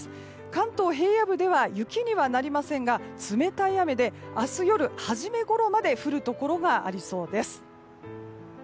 関東平野部では雪にはなりませんが冷たい雨で明日夜初めごろまで降るところがありそうです。